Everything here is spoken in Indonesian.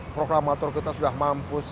proklamator kita sudah mampus